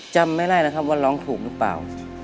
จำไม่ได้นะครับว่าร้องถูกหรือเปล่า